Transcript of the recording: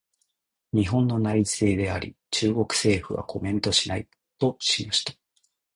「日本の内政であり、中国政府はコメントしない」としました。